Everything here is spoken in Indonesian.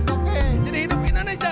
oke jadi hidup indonesia